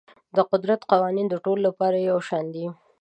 د قدرت قوانین د ټولو لپاره یو شان دي.